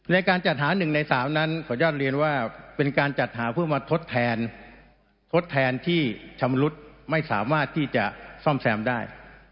ในการจัดหา๑ใน๓นั้นขออนุญาตเรียนว่าเป็นการจัดหาเพื่อมาทดแทนทดแทนที่ชำรุดไม่สามารถที่จะซ่อมแซมได้